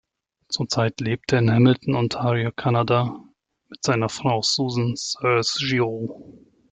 Zurzeit lebt er in Hamilton, Ontario, Kanada mit seiner Frau Susan Searls-Giroux.